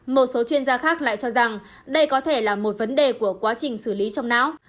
một số chuyên gia khác lại cho rằng đây có thể là một vấn đề của quá trình xử lý trong não